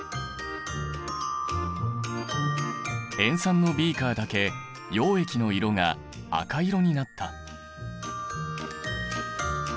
塩酸のビーカーだけ溶液の色が赤色になった。